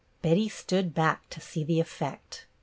Betty stood back to see the effect.